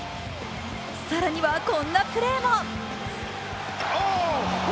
更にはこんなプレーも。